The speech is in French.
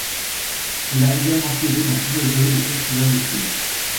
Il a également siégé dans plusieurs jurys de festivals de films.